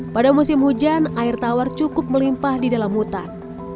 pada musim hujan air tawar cukup melimpah di dalam hutan